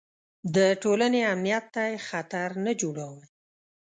د ټولنې امنیت ته یې خطر نه جوړاوه.